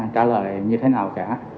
trả lời như thế nào cả